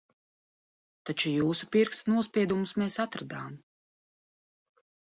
Taču jūsu pirkstu nospiedumus mēs atradām.